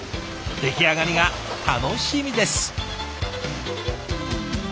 出来上がりが楽しみです。